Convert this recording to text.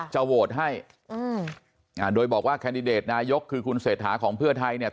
จะโหวตให้โดยบอกว่าแคนดิเดตนายกคือคุณเศรษฐาของเพื่อไทยเนี่ย